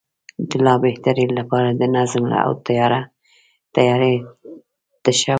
د لا بهترۍ لپاره د نظم او تیارۍ تشه وه.